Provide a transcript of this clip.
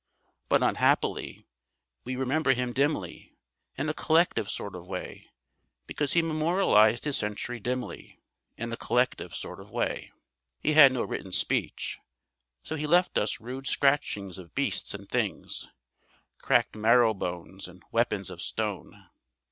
But, unhappily, we remember him dimly, in a collective sort of way, because he memorialized his century dimly, in a collective sort of way. He had no written speech, so he left us rude scratchings of beasts and things, cracked marrow bones, and weapons of stone.